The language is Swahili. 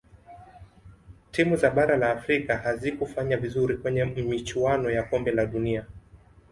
timu za bara la afrika hazikufanya vizuri kwenye michuano ya kombe la dunia